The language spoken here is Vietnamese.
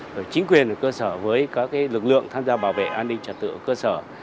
rồi chính quyền cơ sở với các lực lượng tham gia bảo vệ an ninh trật tự ở cơ sở